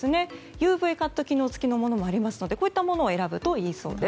ＵＶカット機能付きのものもありますのでこういったものを選ぶといいそうです。